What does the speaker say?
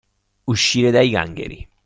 Uscire dai gangheri.